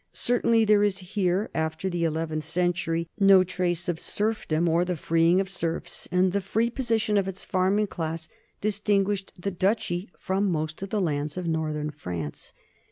Certainly there is here, after the eleventh cen tury, no trace of serfdom or the freeing of serfs, and the free position of its farming class distinguished the duchy from most of the lands of northern France.